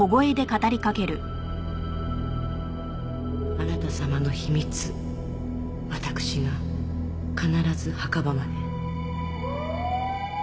あなた様の秘密わたくしが必ず墓場まで。